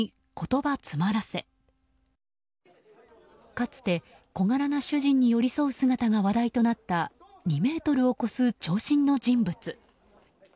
かつて、小柄な主人に寄り添う姿が話題となった２ｍを超す長身の人物。